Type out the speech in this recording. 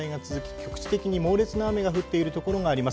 局地的に猛烈な雨が降っているところがあります。